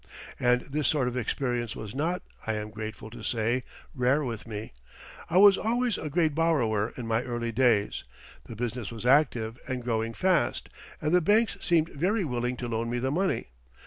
And this sort of experience was not, I am grateful to say, rare with me. I was always a great borrower in my early days; the business was active and growing fast, and the banks seemed very willing to loan me the money.